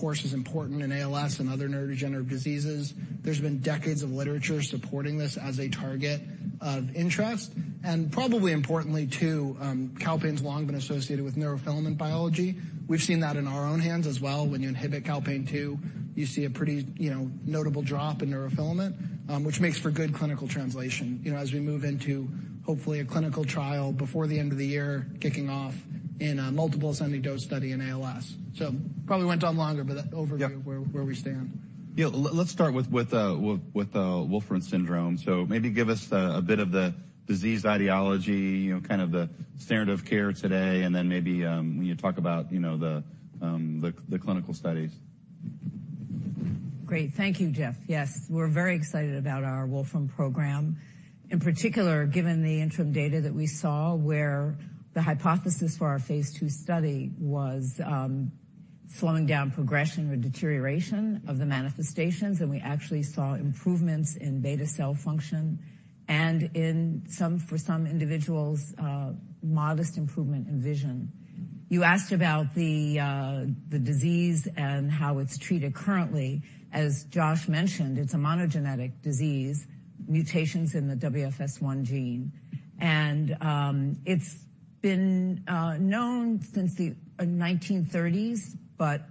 Calpain is important in ALS and other neurodegenerative diseases. There's been decades of literature supporting this as a target of interest. And probably importantly, too, calpain's long been associated with neurofilament biology. We've seen that in our own hands as well. When you inhibit calpain-2, you see a pretty, you know, notable drop in neurofilament, which makes for good clinical translation, you know, as we move into, hopefully, a clinical trial before the end of the year kicking off in a multiple ascending dose study in ALS. So probably went on longer, but that overview. Yeah. Of where we stand. Yeah. Yeah. Let's start with Wolfram syndrome. So maybe give us a bit of the disease etiology, you know, kind of the standard of care today, and then maybe when you talk about, you know, the clinical studies. Great. Thank you, Jeff. Yes, we're very excited about our Wolfram program. In particular, given the interim data that we saw where the hypothesis for our phase II study was slowing down progression or deterioration of the manifestations, and we actually saw improvements in beta cell function and in some individuals, modest improvement in vision. You asked about the disease and how it's treated currently. As Josh mentioned, it's a monogenic disease, mutations in the WFS1 gene. It's been known since the 1930s, but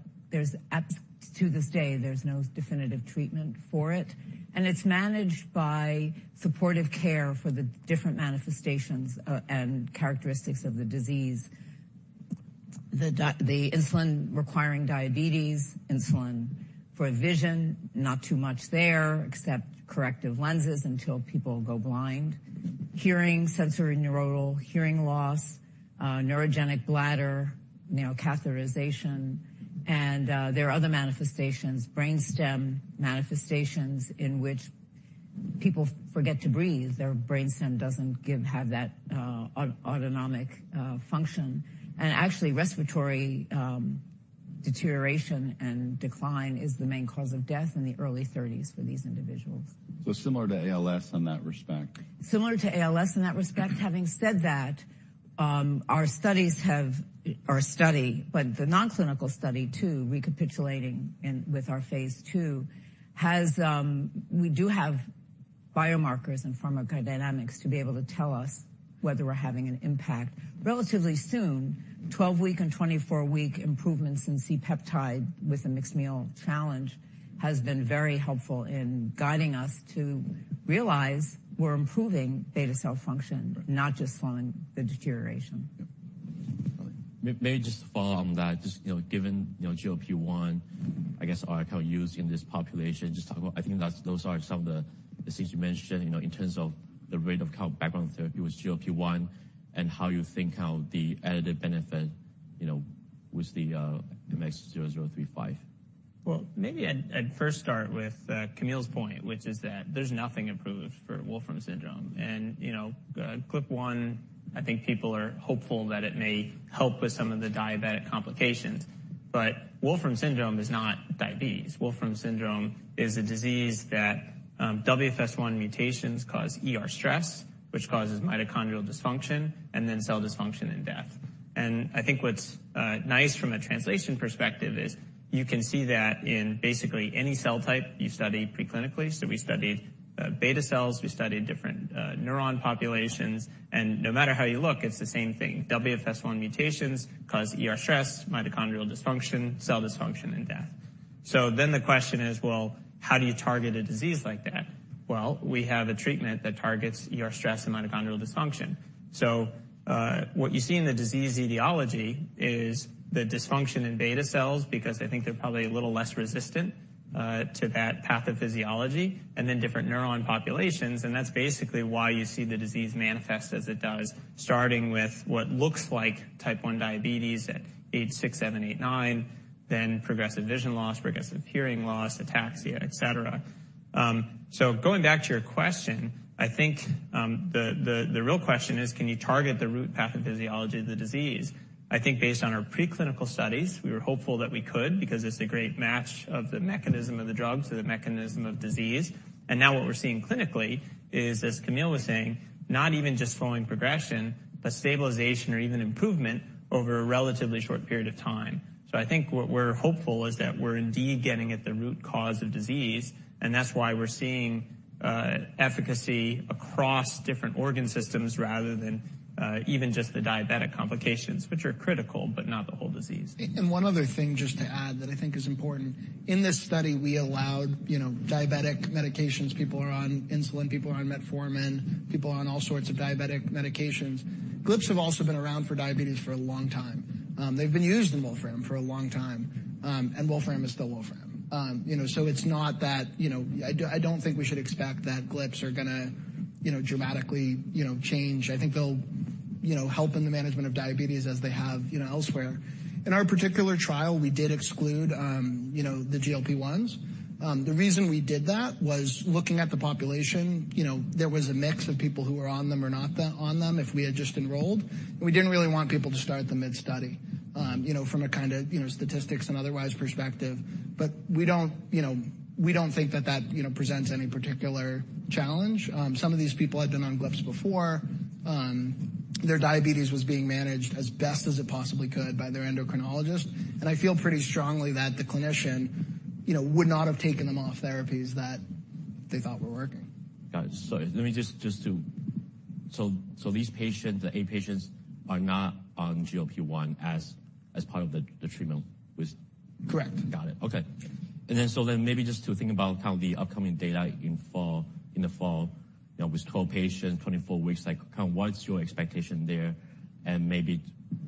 to this day, there's no definitive treatment for it. It's managed by supportive care for the different manifestations and characteristics of the disease. The insulin-requiring diabetes, insulin for vision, not too much there except corrective lenses until people go blind. Hearing, sensorineural hearing loss, neurogenic bladder, self-catheterization. There are other manifestations, brainstem manifestations, in which people forget to breathe. Their brainstem doesn't give that autonomic function. Actually, respiratory deterioration and decline is the main cause of death in the early 30s for these individuals. So similar to ALS in that respect. Similar to ALS in that respect. Having said that, our studies have our study, but the non-clinical study, too, recapitulating in with our phase II, has. We do have biomarkers and pharmacodynamics to be able to tell us whether we're having an impact. Relatively soon, 12-week and 24-week improvements in C-peptide with a mixed meal challenge has been very helpful in guiding us to realize we're improving beta cell function, not just slowing the deterioration. Yeah. Maybe just to follow on that, just, you know, given, you know, GLP-1, I guess, kind of used in this population, just talk about I think that's those are some of the, the things you mentioned, you know, in terms of the rate of, kind of, background therapy with GLP-1 and how you think, kind of, the added benefit, you know, with the, AMX0035. Well, maybe I'd first start with Camille's point, which is that there's nothing improved for Wolfram syndrome. And, you know, GLP-1, I think people are hopeful that it may help with some of the diabetic complications. But Wolfram syndrome is not diabetes. Wolfram syndrome is a disease that WFS1 mutations cause stress, which causes mitochondrial dysfunction and then cell dysfunction and death. And I think what's nice from a translation perspective is you can see that in basically any cell type you study preclinically. So we studied beta cells. We studied different neuron populations. And no matter how you look, it's the same thing. WFS1 mutations cause stress, mitochondrial dysfunction, cell dysfunction, and death. So then the question is, well, how do you target a disease like that? Well, we have a treatment that targets stress and mitochondrial dysfunction. So, what you see in the disease etiology is the dysfunction in beta cells because I think they're probably a little less resistant to that pathophysiology, and then different neuron populations. And that's basically why you see the disease manifest as it does, starting with what looks like type 1 diabetes at age six, seven, eight, nine, then progressive vision loss, progressive hearing loss, ataxia, etc. So going back to your question, I think the real question is, can you target the root pathophysiology of the disease? I think based on our preclinical studies, we were hopeful that we could because it's a great match of the mechanism of the drug to the mechanism of disease. And now what we're seeing clinically is, as Camille was saying, not even just slowing progression, but stabilization or even improvement over a relatively short period of time. I think what we're hopeful is that we're indeed getting at the root cause of disease. That's why we're seeing efficacy across different organ systems rather than even just the diabetic complications, which are critical but not the whole disease. And one other thing just to add that I think is important. In this study, we allowed, you know, diabetic medications. People are on insulin. People are on metformin. People are on all sorts of diabetic medications. GLPs have also been around for diabetes for a long time. They've been used in Wolfram for a long time. And Wolfram is still Wolfram. You know, so it's not that, you know, I do I don't think we should expect that GLPs are gonna, you know, dramatically, you know, change. I think they'll, you know, help in the management of diabetes as they have, you know, elsewhere. In our particular trial, we did exclude, you know, the GLP-1s. The reason we did that was looking at the population. You know, there was a mix of people who were on them or not on them if we had just enrolled. We didn't really want people to start the mid-study, you know, from a kind of, you know, statistics and otherwise perspective. But we don't, you know we don't think that that, you know, presents any particular challenge. Some of these people had been on GLPs before. Their diabetes was being managed as best as it possibly could by their endocrinologist. I feel pretty strongly that the clinician, you know, would not have taken them off therapies that they thought were working. Got it. So let me just, so these patients, the eight patients, are not on GLP-1 as part of the treatment with. Correct. Got it. Okay. Then maybe just to think about, kind of, the upcoming data in the fall, you know, with 12 patients, 24 weeks, like, kind of, what's your expectation there? And maybe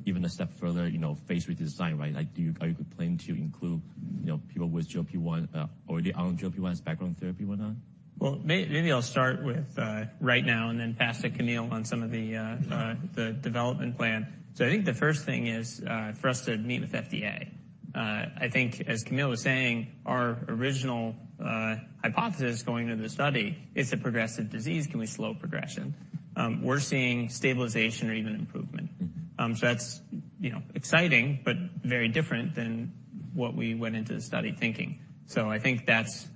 even a step further, you know, phase III redesign, right? Like, are you planning to include, you know, people with GLP-1 already on GLP-1 as background therapy or not? Well, maybe I'll start with, right now and then pass to Camille on some of the development plan. So I think the first thing is, for us to meet with FDA. I think, as Camille was saying, our original hypothesis going into the study, it's a progressive disease. Can we slow progression? We're seeing stabilization or even improvement. So that's, you know, exciting but very different than what we went into the study thinking. So I think that's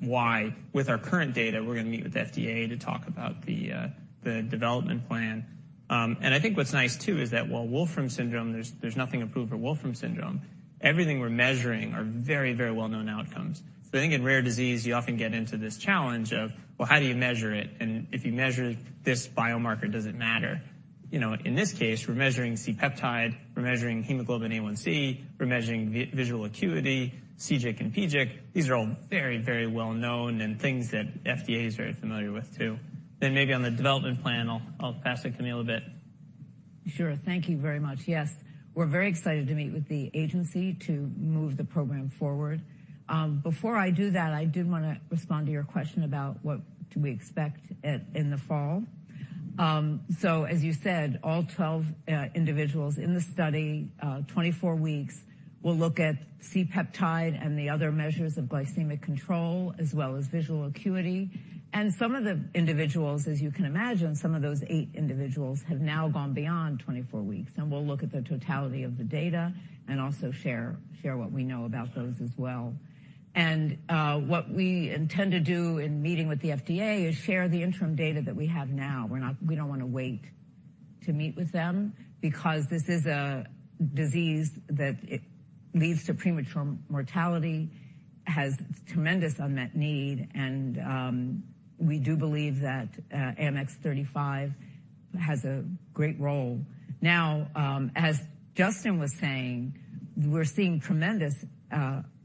why with our current data, we're gonna meet with FDA to talk about the development plan. And I think what's nice, too, is that while Wolfram syndrome, there's nothing approved for Wolfram syndrome, everything we're measuring are very, very well-known outcomes. So I think in rare disease, you often get into this challenge of, well, how do you measure it? And if you measure this biomarker, does it matter? You know, in this case, we're measuring C-peptide. We're measuring hemoglobin A1c. We're measuring visual acuity, CGIC and PGIC. These are all very, very well-known and things that FDA is very familiar with, too. Then maybe on the development plan, I'll, I'll pass to Camille a bit. Sure. Thank you very much. Yes, we're very excited to meet with the agency to move the program forward. Before I do that, I did wanna respond to your question about what we expect in the fall. So as you said, all 12 individuals in the study 24 weeks will look at C-peptide and the other measures of glycemic control as well as visual acuity. And some of the individuals, as you can imagine, some of those 8 individuals have now gone beyond 24 weeks. And we'll look at the totality of the data and also share, share what we know about those as well. And what we intend to do in meeting with the FDA is share the interim data that we have now. We don't wanna wait to meet with them because this is a disease that leads to premature mortality, has tremendous unmet need. And we do believe that AMX0035 has a great role. Now, as Justin was saying, we're seeing tremendous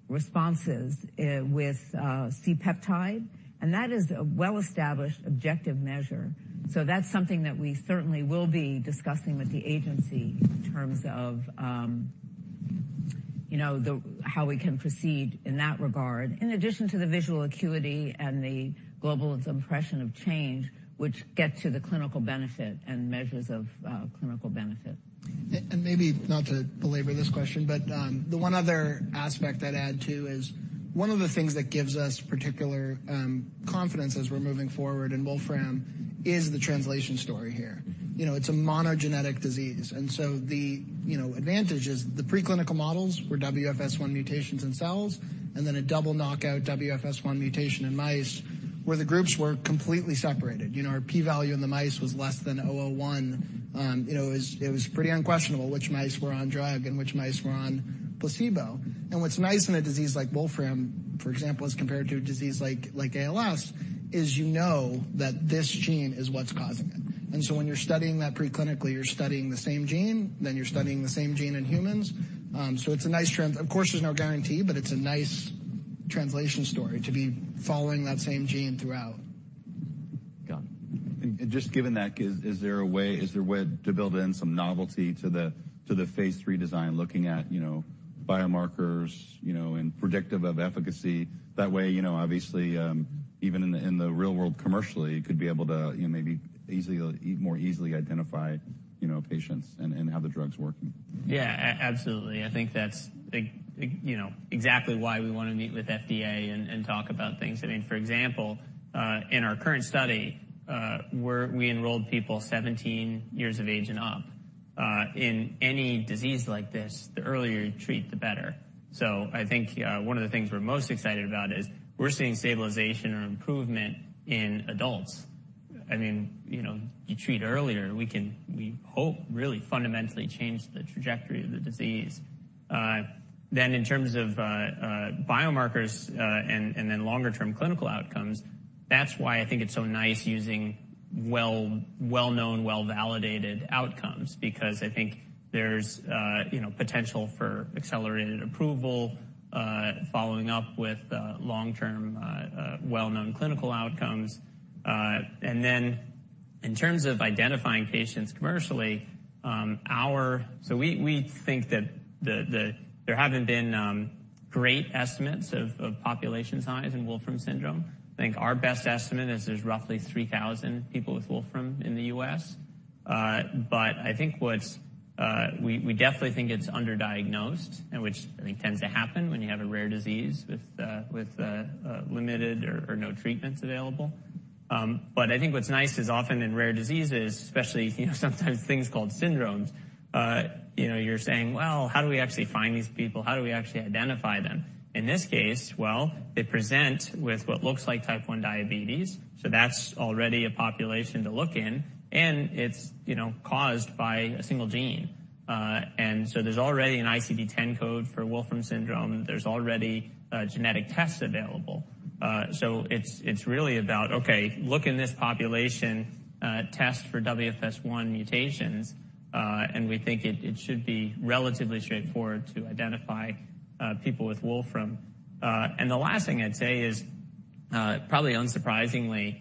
responses with C-peptide. And that is a well-established objective measure. So that's something that we certainly will be discussing with the agency in terms of, you know, how we can proceed in that regard in addition to the visual acuity and the global impression of change, which gets to the clinical benefit and measures of clinical benefit. And maybe not to belabor this question, but the one other aspect I'd add, too, is one of the things that gives us particular confidence as we're moving forward in Wolfram is the translation story here. You know, it's a monogenic disease. And so the, you know, advantage is the preclinical models were WFS1 mutations in cells. And then a double knockout WFS1 mutation in mice where the groups were completely separated. You know, our p-value in the mice was less than 0.001. You know, it was pretty unquestionable which mice were on drug and which mice were on placebo. And what's nice in a disease like Wolfram, for example, as compared to a disease like ALS, is you know that this gene is what's causing it. And so when you're studying that preclinically, you're studying the same gene. Then you're studying the same gene in humans. It's a nice trend. Of course, there's no guarantee, but it's a nice translation story to be following that same gene throughout. Got it. And just given that, is there a way to build in some novelty to the phase III design looking at, you know, biomarkers, you know, and predictive of efficacy? That way, you know, obviously, even in the real world commercially, you could be able to, you know, maybe more easily identify, you know, patients and how the drug's working. Yeah. Absolutely. I think that's, you know, exactly why we wanna meet with FDA and talk about things. I mean, for example, in our current study, we enrolled people 17 years of age and up. In any disease like this, the earlier you treat, the better. So I think one of the things we're most excited about is we're seeing stabilization or improvement in adults. I mean, you know, you treat earlier. We can hope really fundamentally change the trajectory of the disease. Then in terms of biomarkers and then longer-term clinical outcomes, that's why I think it's so nice using well-known, well-validated outcomes because I think there's, you know, potential for accelerated approval, following up with long-term, well-known clinical outcomes. And then in terms of identifying patients commercially, so we think that there haven't been great estimates of population size in Wolfram syndrome. I think our best estimate is there's roughly 3,000 people with Wolfram in the U.S. But I think we definitely think it's underdiagnosed, which I think tends to happen when you have a rare disease with limited or no treatments available. But I think what's nice is often in rare diseases, especially, you know, sometimes things called syndromes, you know, you're saying, "Well, how do we actually find these people? How do we actually identify them?" In this case, well, they present with what looks like type 1 diabetes. So that's already a population to look in. And it's, you know, caused by a single gene. And so there's already an ICD-10 code for Wolfram syndrome. There's already genetic tests available. So it's really about, "Okay, look in this population, test for WFS1 mutations." And we think it should be relatively straightforward to identify people with Wolfram. And the last thing I'd say is, probably unsurprisingly,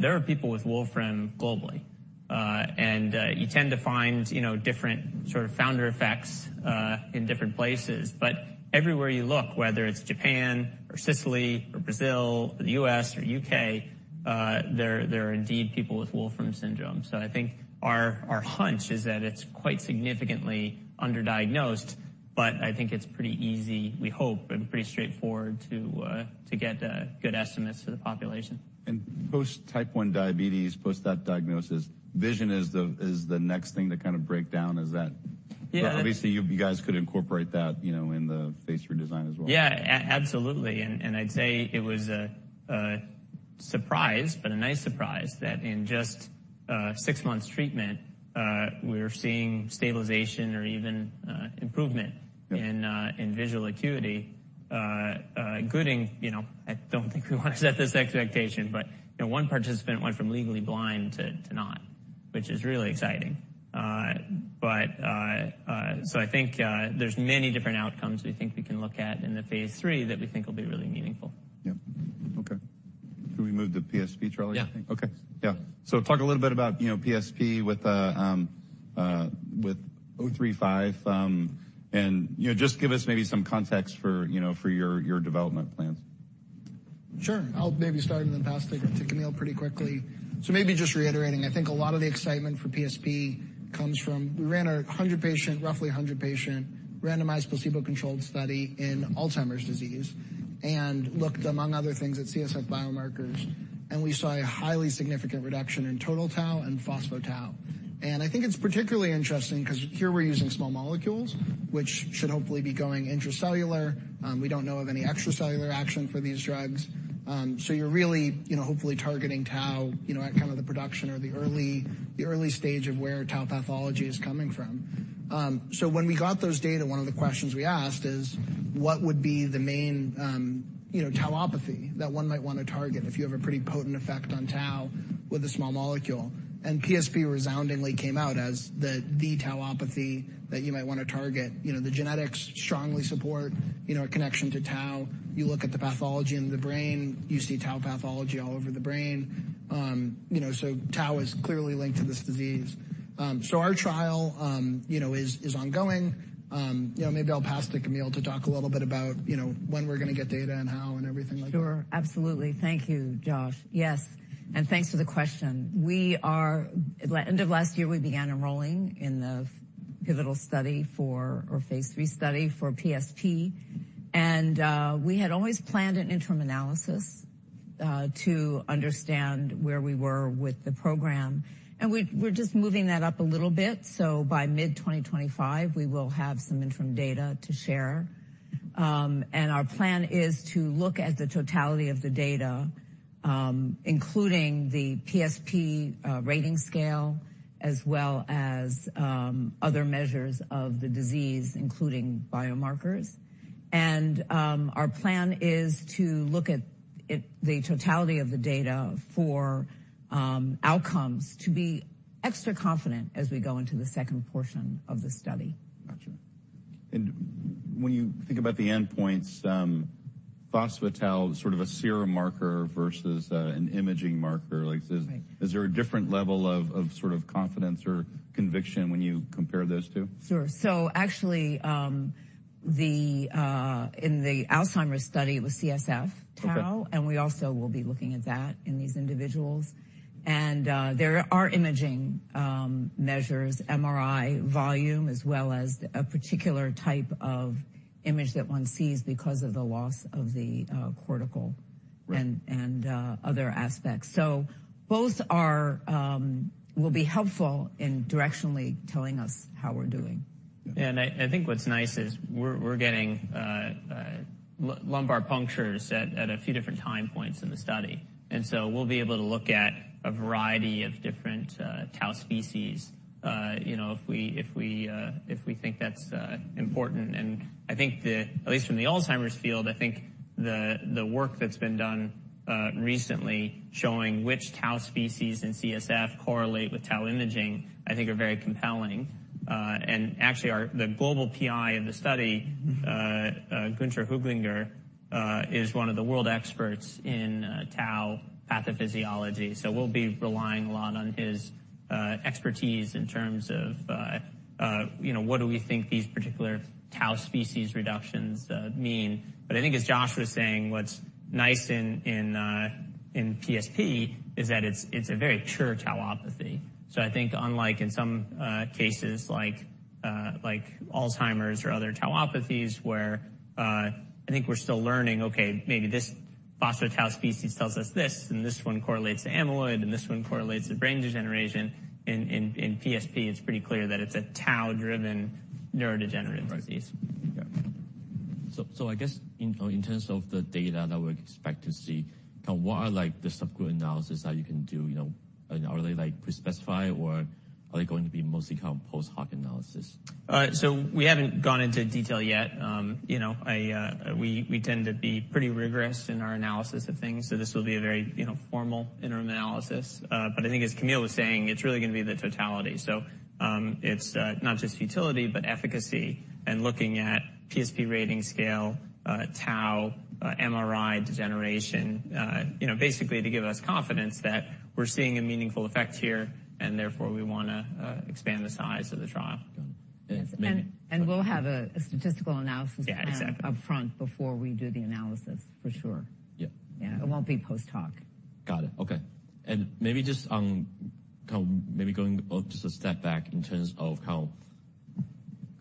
there are people with Wolfram globally. And you tend to find, you know, different sort of founder effects, in different places. But everywhere you look, whether it's Japan or Sicily or Brazil or the U.S. or U.K., there are indeed people with Wolfram syndrome. So I think our hunch is that it's quite significantly underdiagnosed. But I think it's pretty easy, we hope, and pretty straightforward to get good estimates for the population. Post-type 1 diabetes, post that diagnosis, vision is the next thing to kind of break down. Is that? Yeah. Obviously, you guys could incorporate that, you know, in the phase redesign as well. Yeah. Absolutely. And I'd say it was a surprise but a nice surprise that in just six months' treatment, we're seeing stabilization or even improvement. Yeah. In visual acuity. Good, you know, I don't think we wanna set this expectation. But, you know, one participant went from legally blind to not, which is really exciting. So I think there's many different outcomes we think we can look at in the phase III that we think will be really meaningful. Yep. Okay. Can we move to PSP, Charlie, I think? Yeah. Okay. So talk a little bit about, you know, PSP with 035, and, you know, just give us maybe some context for, you know, your development plans. Sure. I'll maybe start and then pass to, to Camille pretty quickly. So maybe just reiterating, I think a lot of the excitement for PSP comes from we ran a 100-patient, roughly 100-patient, randomized placebo-controlled study in Alzheimer's disease and looked, among other things, at CSF biomarkers. And we saw a highly significant reduction in total tau and phospho-tau. And I think it's particularly interesting 'cause here we're using small molecules, which should hopefully be going intracellular. We don't know of any extracellular action for these drugs. So you're really, you know, hopefully targeting tau, you know, at kind of the production or the early the early stage of where tau pathology is coming from. So when we got those data, one of the questions we asked is, "What would be the main, you know, tauopathy that one might wanna target if you have a pretty potent effect on tau with a small molecule?" And PSP resoundingly came out as the tauopathy that you might wanna target. You know, the genetics strongly support, you know, a connection to tau. You look at the pathology in the brain. You see tau pathology all over the brain. You know, so tau is clearly linked to this disease. So our trial, you know, is ongoing. You know, maybe I'll pass to Camille to talk a little bit about, you know, when we're gonna get data and how and everything like that. Sure. Absolutely. Thank you, Josh. Yes. And thanks for the question. At the end of last year, we began enrolling in the pivotal study for our phase III study for PSP. And we had always planned an interim analysis to understand where we were with the program. And we're just moving that up a little bit. So by mid-2025, we will have some interim data to share. And our plan is to look at the totality of the data, including the PSP Rating Scale as well as other measures of the disease, including biomarkers. And our plan is to look at the totality of the data for outcomes to be extra confident as we go into the second portion of the study. Gotcha. And when you think about the endpoints, phospho-tau, sort of a serum marker versus an imaging marker, like, is this. Right. Is there a different level of sort of confidence or conviction when you compare those two? Sure. So actually, in the Alzheimer's study, it was CSF tau. Okay. We also will be looking at that in these individuals. There are imaging measures, MRI volume as well as a particular type of image that one sees because of the loss of the cortical. Right. Other aspects. Both are, will be helpful in directionally telling us how we're doing. Yeah. Yeah. And I think what's nice is we're getting lumbar punctures at a few different time points in the study. And so we'll be able to look at a variety of different tau species, you know, if we think that's important. And I think, at least from the Alzheimer's field, I think the work that's been done recently showing which tau species in CSF correlate with tau imaging, I think, are very compelling. And actually, our global PI of the study. Mm-hmm. Günter Höglinger is one of the world experts in tau pathophysiology. So we'll be relying a lot on his expertise in terms of, you know, what do we think these particular tau species reductions mean? But I think, as Josh was saying, what's nice in PSP is that it's a very pure tauopathy. So I think unlike in some cases like Alzheimer's or other tauopathies where I think we're still learning, "Okay, maybe this phospho-tau species tells us this. And this one correlates to amyloid. And this one correlates to brain degeneration." In PSP, it's pretty clear that it's a tau-driven neurodegenerative disease. Right. Yeah. So, so I guess in, you know, in terms of the data that we expect to see, kind of what are, like, the subgroup analysis that you can do, you know, and are they, like, pre-specified, or are they going to be mostly kind of post-hoc analysis? We haven't gone into detail yet. You know, I, we, we tend to be pretty rigorous in our analysis of things. This will be a very, you know, formal interim analysis. But I think, as Camille was saying, it's really gonna be the totality. It's not just utility but efficacy and looking at PSP Rating Scale, tau, MRI degeneration, you know, basically to give us confidence that we're seeing a meaningful effect here. Therefore, we wanna expand the size of the trial. Got it. We'll have a statistical analysis. Yeah. Exactly. Upfront before we do the analysis, for sure. Yeah. Yeah. It won't be post-hoc. Got it. Okay. And maybe just on kind of maybe going, oh, just a step back in terms of kind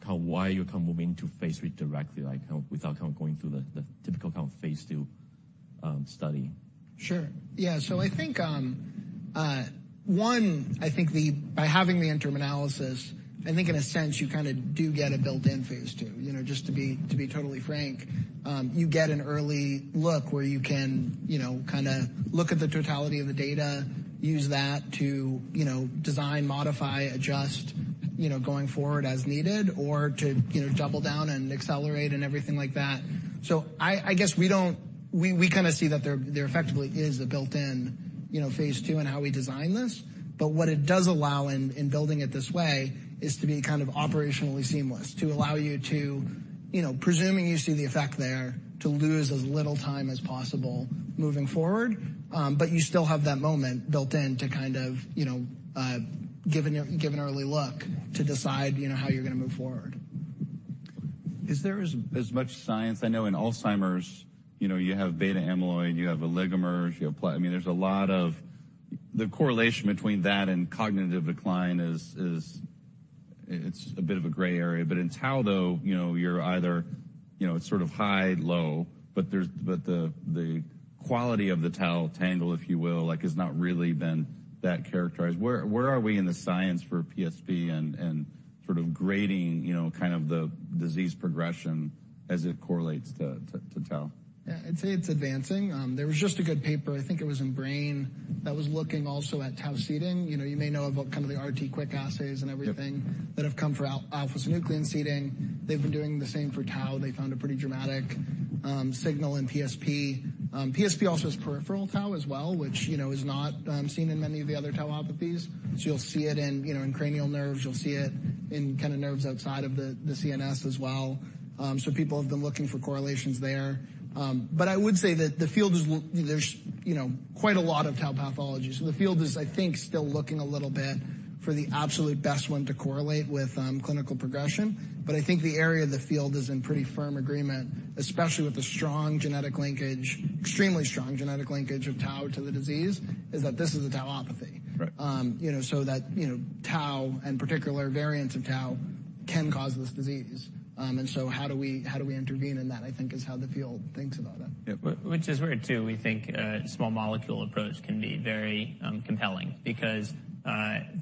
of why you're kind of moving into phase III directly, like, kind of without kind of going through the typical kind of phase II study? Sure. Yeah. So I think, one, I think by having the interim analysis, I think in a sense, you kind of do get a built-in phase II, you know, just to be totally frank. You get an early look where you can, you know, kind of look at the totality of the data, use that to, you know, design, modify, adjust, you know, going forward as needed or to, you know, double down and accelerate and everything like that. So I guess we do, we kind of see that there effectively is a built-in, you know, phase II in how we design this. But what it does allow in building it this way is to be kind of operationally seamless, to allow you to, you know, presuming you see the effect there, to lose as little time as possible moving forward but you still have that moment built-in to kind of, you know, give an early look to decide, you know, how you're gonna move forward. Is there as much science? I know in Alzheimer's, you know, you have beta amyloid. You have oligomers. I mean, there's a lot of the correlation between that and cognitive decline is, it's a bit of a gray area. But in tau, though, you know, you're either, you know, it's sort of high, low. But the quality of the tau tangle, if you will, like, has not really been that characterized. Where are we in the science for PSP and sort of grading, you know, kind of the disease progression as it correlates to tau? Yeah. I'd say it's advancing. There was just a good paper. I think it was in Brain that was looking also at tau seeding. You know, you may know about kind of the RT-QuIC assays and everything. Yep. That have come for alpha-synuclein seeding. They've been doing the same for tau. They found a pretty dramatic signal in PSP. PSP also has peripheral tau as well, which, you know, is not seen in many of the other tauopathies. So you'll see it in, you know, in cranial nerves. You'll see it in kind of nerves outside of the CNS as well. So people have been looking for correlations there. But I would say that the field is, like, there's, you know, quite a lot of tau pathology. So the field is, I think, still looking a little bit for the absolute best one to correlate with clinical progression. But I think the area of the field is in pretty firm agreement, especially with the strong genetic linkage, extremely strong genetic linkage of tau to the disease, is that this is a tauopathy. Right. You know, so that, you know, tau and particular variants of tau can cause this disease. So how do we intervene in that, I think, is how the field thinks about it. Yeah. Which is where, too, we think, small molecule approach can be very compelling because,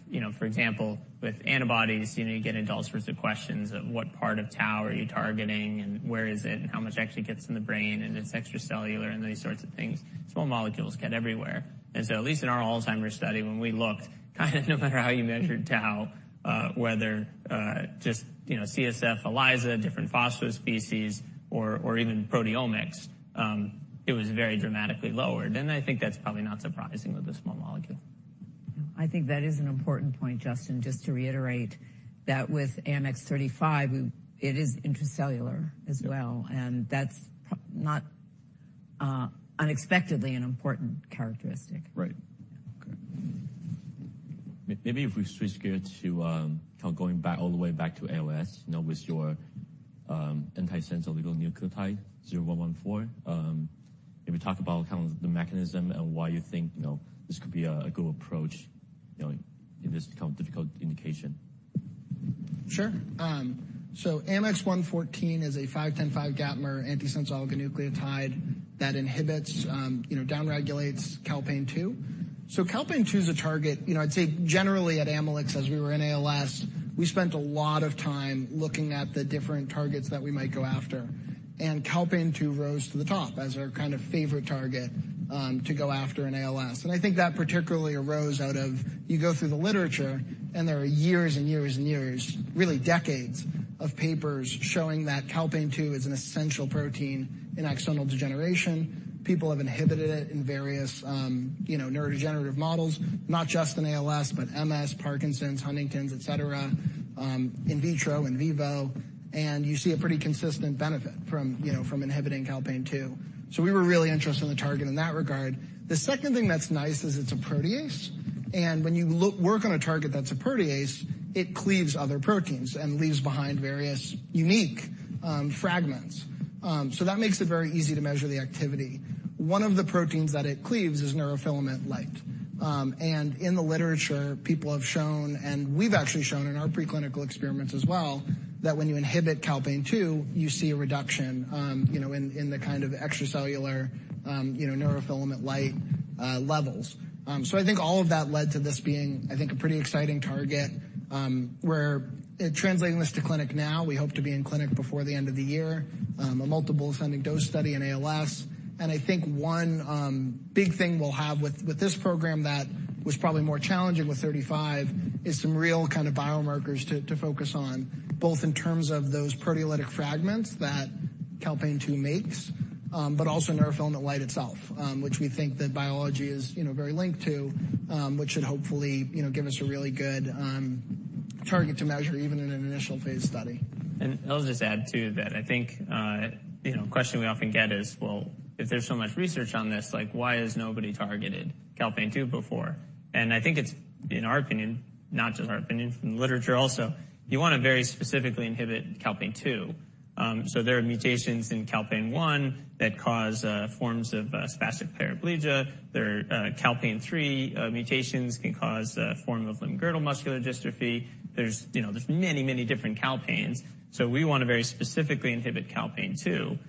you know, for example, with antibodies, you know, you get incredulity questions of what part of tau are you targeting and where is it and how much actually gets in the brain and it's extracellular and these sorts of things. Small molecules get everywhere. And so at least in our Alzheimer's study, when we looked, kind of no matter how you measured tau, whether just, you know, CSF, ELISA, different phospho species, or even proteomics, it was very dramatically lowered. And I think that's probably not surprising with a small molecule. Yeah. I think that is an important point, Justin, just to reiterate that with AMX0035, it is intracellular as well. And that's, but not unexpectedly, an important characteristic. Right. Okay. Maybe if we switch gears to, kind of going back all the way back to ALS, you know, with your, antisense oligonucleotide 0114, maybe talk about kind of the mechanism and why you think, you know, this could be a, a good approach, you know, in this kind of difficult indication. Sure. So AMX0114 is a 5-10-5 gapmer antisense oligonucleotide that inhibits, you know, downregulates calpain-2. So calpain-2 is a target, you know, I'd say generally at Amylyx, as we were in ALS, we spent a lot of time looking at the different targets that we might go after. And calpain-2 rose to the top as our kind of favorite target, to go after in ALS. And I think that particularly arose out of you go through the literature, and there are years and years and years, really decades, of papers showing that calpain-2 is an essential protein in axonal degeneration. People have inhibited it in various, you know, neurodegenerative models, not just in ALS but MS, Parkinson's, Huntington's, etc., in vitro, in vivo. And you see a pretty consistent benefit from, you know, from inhibiting calpain-2. So we were really interested in the target in that regard. The second thing that's nice is it's a protease. When you look work on a target that's a protease, it cleaves other proteins and leaves behind various unique fragments. So that makes it very easy to measure the activity. One of the proteins that it cleaves is neurofilament light. In the literature, people have shown and we've actually shown in our preclinical experiments as well that when you inhibit calpain-2, you see a reduction, you know, in, in the kind of extracellular, you know, neurofilament light levels. I think all of that led to this being, I think, a pretty exciting target, where it translating this to clinic now, we hope to be in clinic before the end of the year, a multiple ascending dose study in ALS. I think one big thing we'll have with this program that was probably more challenging with 35 is some real kind of biomarkers to focus on, both in terms of those proteolytic fragments that calpain-2 makes, but also neurofilament light itself, which we think that biology is, you know, very linked to, which should hopefully, you know, give us a really good target to measure even in an initial phase study. And I'll just add to that. I think, you know, a question we often get is, well, if there's so much research on this, like, why has nobody targeted calpain-2 before? And I think it's, in our opinion, not just our opinion, from the literature also, you wanna very specifically inhibit calpain-2. So there are mutations in calpain-1 that cause forms of spastic paraplegia. There are calpain-3 mutations can cause form of limb-girdle muscular dystrophy. There's, you know, there's many, many different calpains. So we wanna very specifically inhibit calpain-2.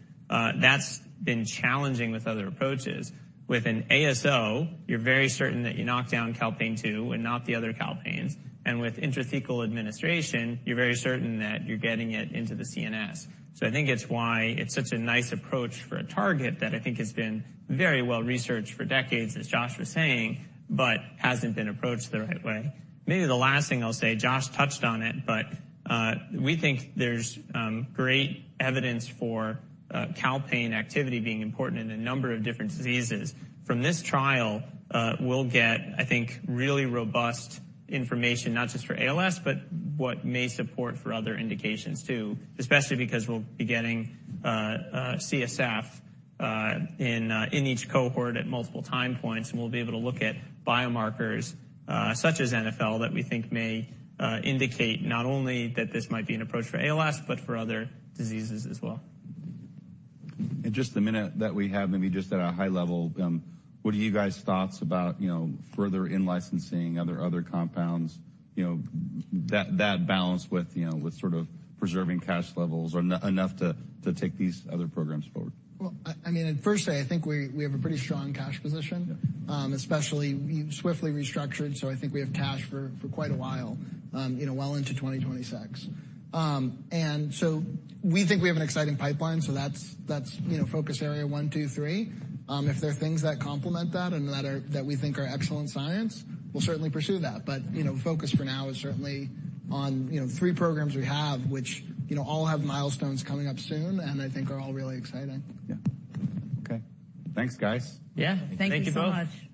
That's been challenging with other approaches. With an ASO, you're very certain that you knock down calpain-2 and not the other calpains. And with intrathecal administration, you're very certain that you're getting it into the CNS. So I think it's why it's such a nice approach for a target that I think has been very well researched for decades, as Josh was saying, but hasn't been approached the right way. Maybe the last thing I'll say, Josh touched on it, but, we think there's, great evidence for, calpain activity being important in a number of different diseases. From this trial, we'll get, I think, really robust information not just for ALS but what may support for other indications too, especially because we'll be getting, CSF in each cohort at multiple time points. And we'll be able to look at biomarkers, such as NFL that we think may, indicate not only that this might be an approach for ALS but for other diseases as well. In just the minute that we have, maybe just at a high level, what are you guys' thoughts about, you know, further in-licensing other, other compounds, you know, that, that balance with, you know, with sort of preserving cash levels or enough, enough to, to take these other programs forward? Well, I mean, at first, I think we have a pretty strong cash position. Especially we swiftly restructured. So I think we have cash for, for quite a while, you know, well into 2026. And so we think we have an exciting pipeline. So that's, that's, you know, focus area one, two, three. If there are things that complement that and that are that we think are excellent science, we'll certainly pursue that. But, you know, focus for now is certainly on, you know, three programs we have, which, you know, all have milestones coming up soon and I think are all really exciting. Yeah. Okay. Thanks, guys. Yeah. Thank you so much. Thank you both.